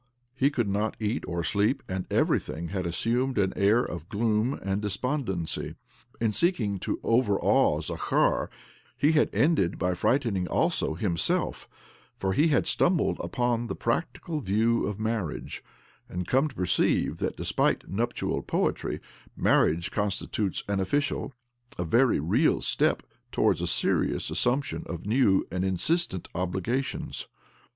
He could not eat or sleep, and everything had assumed an air of gloom and despondency. In seeking to overawe Zakhar, he had ended by frighteningi also himself, for he had stumbled upon the practical view of marriage, and come to per ceive that, despite nuptial poetry, marriage constitutes an official, a very real step to OBLOMOV 211 wards a perious assumption jof new and insistent obligations.